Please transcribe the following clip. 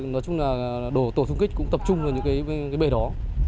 nói chung là đổ tổ sung kích cũng tập trung ở những cái bể đó